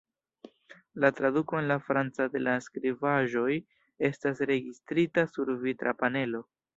La traduko en la franca de la skribaĵoj estas registrita sur vitra panelo.